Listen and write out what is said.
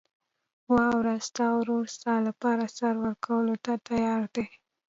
واوره، ستا ورور ستا لپاره سر ورکولو ته تیار دی.